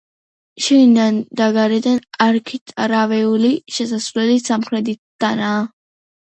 შიგნიდან და გარედან არქიტრავული შესასვლელი სამხრეთიდანაა.